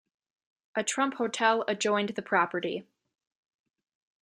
A Trump Hotel adjoined the property.